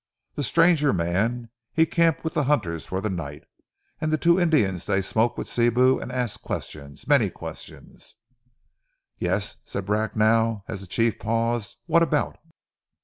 The stranger mans he camp with the hunters for ze night, and ze two Indians they smoke with Sibou and ask questions, many questions." "Yes," said Bracknell, as the chief paused. "What about?"